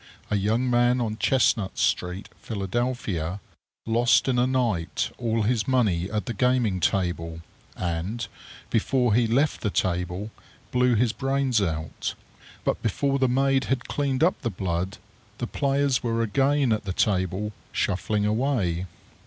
A young man on Chestnut street, Philadelphia, lost in a night all his money at the gaming table, and, before he left the table, blew his brains out; but before the maid had cleaned up the blood the players were again at the table, shuffling away.